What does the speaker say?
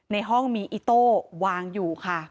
ในห้องมีอิโต้วางอยู่ค่ะ